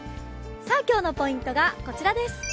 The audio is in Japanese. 今日のポイントがこちらです